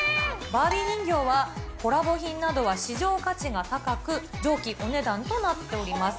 バービー人形は、コラボ品などは市場価値が高く、上記お値段となっております。